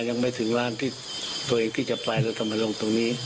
ยังไม่ถึงร้านที่ตัวเองที่จะไปแล้วต้องมาลงตรงนี้